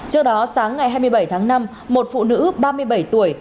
trước đó sáng ngày hai mươi bảy tháng năm một phụ nữ ba mươi bảy tuổi